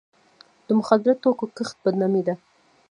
د مخدره توکو کښت بدنامي ده.